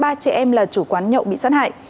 ba chị em là chủ quán nhậu bị sát hại